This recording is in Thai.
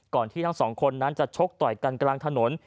ที่ทั้งสองคนนั้นจะชกต่อยกันกลางถนน